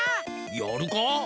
やるか。